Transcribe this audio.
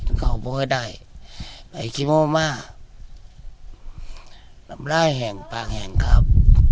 กินข้าวพอให้ได้ไปกิโมมานำลายแห่งปางแห่งครับ